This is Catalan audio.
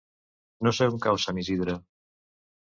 No sé on cau Sant Isidre.